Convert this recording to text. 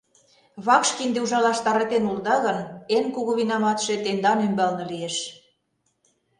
Вакш кинде ужалаш таратен улыда гын, эн кугу винаматше тендан ӱмбалне лиеш.